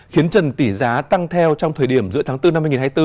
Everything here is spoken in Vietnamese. khiến trần tỷ giá tăng theo trong thời điểm giữa tháng bốn năm hai nghìn hai mươi bốn